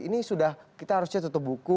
ini sudah kita harusnya tutup buku